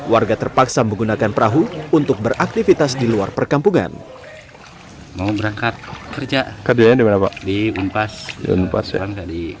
warga terpaksa menggunakan perahu untuk beraktivitas di luar perkampungan